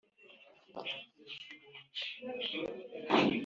nuko yehova yumva isengesho rya hezekiya